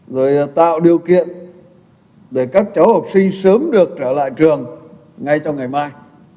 rồi tạo điều kiện để các cháu học sinh sớm được trở lại trường ngay trong ngày mai